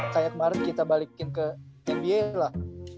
kayak kemaren kita balikin ke nba lah